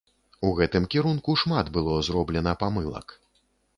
У гэтым кірунку шмат было зроблена памылак.